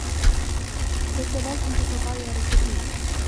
بتلاتٌ تتطاير في الريح.